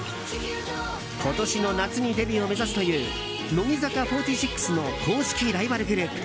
今年の夏にデビューを目指すという乃木坂４６の公式ライバルグループ。